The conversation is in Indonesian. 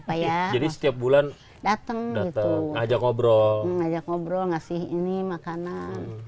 payah jadi setiap bulan dateng dateng ajak ngobrol ngajak ngobrol ngasih ini makanan